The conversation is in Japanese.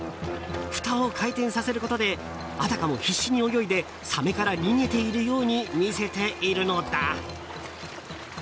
ふたを回転させることであたかも必死に泳いでサメから逃げているように見せているのだ。